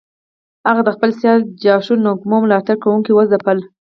هغه د خپل سیال جاشوا نکومو ملاتړ کوونکي وځپل.